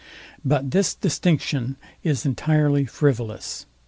But this distinction is entirely frivolous.